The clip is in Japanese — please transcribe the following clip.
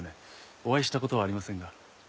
お会いした事はありませんが。